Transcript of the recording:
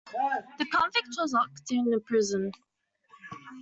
The convict was locked in a Prison.